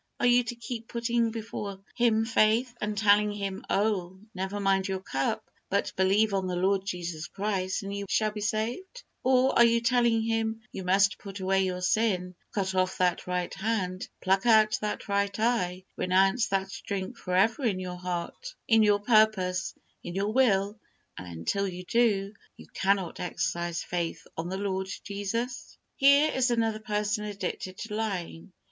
Are you to keep putting before him faith, and telling him, "Oh! never mind your cup, but believe on the Lord Jesus Christ and you shall be saved" or, are you to tell him, "you must put away your sin, cut off that right hand, pluck out that right eye, renounce that drink forever in your heart, in your purpose, in your will, and until you do, you cannot exercise faith on the Lord Jesus?" Here is another person addicted to lying.